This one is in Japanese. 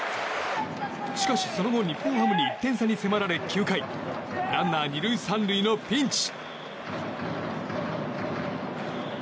しかし、その後日本ハムに１点差に迫られ９回ランナー２塁３塁のピンチ。